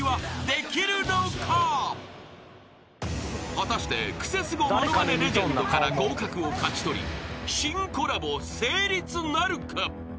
［果たしてクセスゴものまねレジェンドから合格を勝ち取り新コラボ成立なるか？］